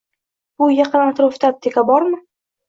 Bu yaqin atrofda apteka bormi?